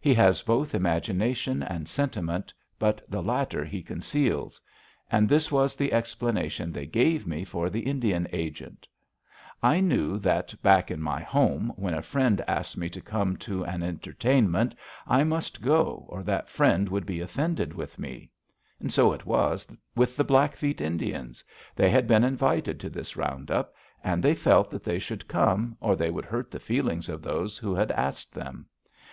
He has both imagination and sentiment, but the latter he conceals. And this was the explanation they gave me for the Indian agent: I knew that, back in my home, when a friend asked me to come to an entertainment, I must go or that friend would be offended with me. And so it was with the Blackfeet Indians they had been invited to this round up, and they felt that they should come or they would hurt the feelings of those who had asked them.